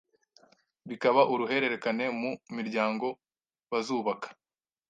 bikaba uruhererekane mu miryango bazubaka.